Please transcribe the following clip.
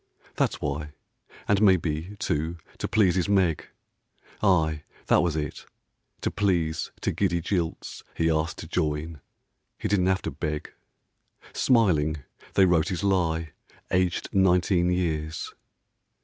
That's why ; and maybe, too, to please his Meg, Aye, that was it, to please to giddy jilts He asked to join. He didn't have to beg; Smiling they wrote his lie ; aged nineteen years.